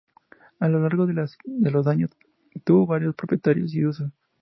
A la largo de los daños tuvo varios propietarios y usos.